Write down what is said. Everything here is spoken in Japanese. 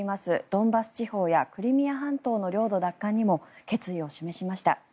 ドンバス地方やクリミア半島の領土奪還にも決意を示しました。